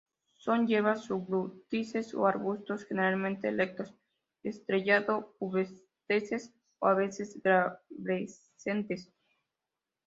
Son hierbas, sufrútices o arbustos, generalmente erectos, estrellado-pubescentes o a veces glabrescentes.